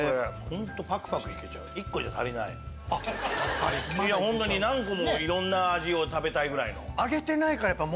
本当に何個もいろんな味を食べたいぐらいの。